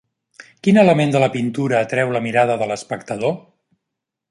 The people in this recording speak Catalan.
Quin element de la pintura atreu la mirada de l'espectador?